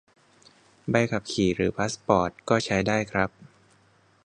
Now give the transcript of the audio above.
ใบขับขี่ หรือพาสปอร์ต ก็ใช้ได้ครับ